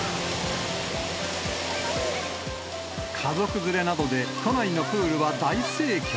家族連れなどで都内のプールは大盛況。